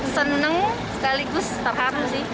seneng sekaligus terharu sih